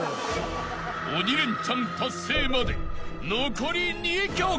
［鬼レンチャン達成まで残り２曲］